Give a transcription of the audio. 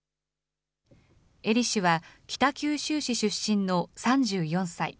英利氏は北九州市出身の３４歳。